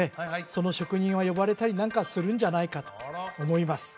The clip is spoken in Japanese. その職人は呼ばれたりなんかするんじゃないかと思います